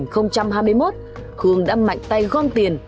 khương đã mạnh tay gom tiền